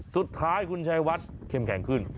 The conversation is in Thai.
สุดท้ายคุณชายวัดเข้มแข็งขึ้น